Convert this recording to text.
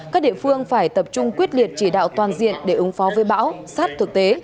các địa phương phải tập trung quyết liệt chỉ đạo toàn diện để ứng phó với bão sát thực tế